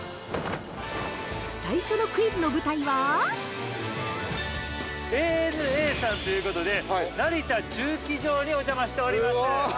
最初のクイズの舞台は◆ＡＮＡさんということで成田駐機場にお邪魔しております。